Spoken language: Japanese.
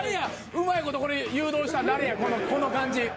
うまい事これ誘導したん誰やこの感じ。